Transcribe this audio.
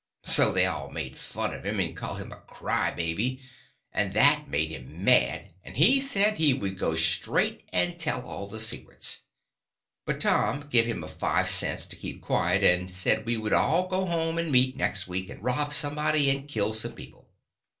So they all made fun of him, and called him cry baby, and that made him mad, and he said he would go straight and tell all the secrets. But Tom give him five cents to keep quiet, and said we would all go home and meet next week, and rob somebody and kill some people.